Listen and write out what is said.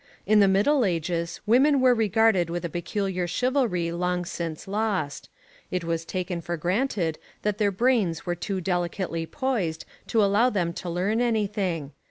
In the Middle Ages women were regarded with a peculiar chivalry long since lost. It was taken for granted that their brains were too delicately poised to allow them to learn anything.